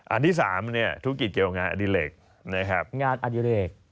อันที่๓เนี่ยธุรกิจเกี่ยวกับงานอดิเล็ก